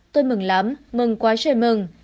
tôi mừng lắm mừng quá trời mừng